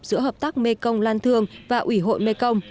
giữa hợp tác mekong lan thương và ủy hội mekong